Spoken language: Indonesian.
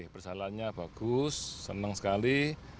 persalahannya bagus senang sekali